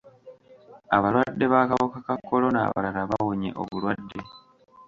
Abalwadde b'akawuka ka kolona abalala bawonye obulwadde.